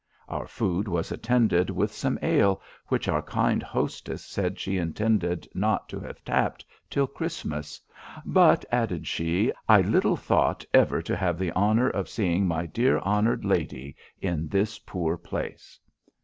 Our food was attended with some ale, which our kind hostess said she intended not to have tapped till Christmas; 'but,' added she, 'I little thought ever to have the honour of seeing my dear honoured lady in this poor place.